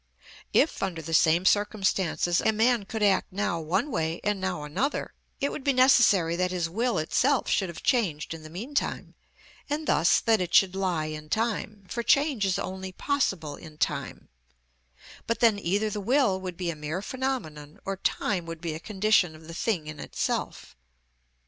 If, under the same circumstances, a man could act now one way and now another, it would be necessary that his will itself should have changed in the meantime, and thus that it should lie in time, for change is only possible in time; but then either the will would be a mere phenomenon, or time would be a condition of the thing in itself.